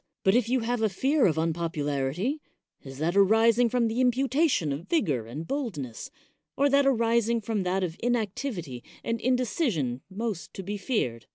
But if you have a fear of unpopularity, is that ari sing from the imputation of vigor and boldness, or that arising from that of inactivity and inde cision most to be feared?